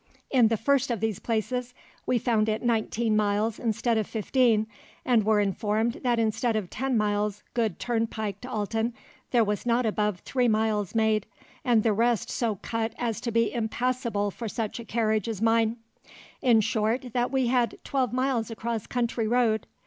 In the first of these places we found it 19 miles instead of 15, and were informed that instead of ten miles good turnpike to Alton there was not above three miles made, and the rest so cut as to be impassable for such a carriage as mine; in short that we had twelve miles across country road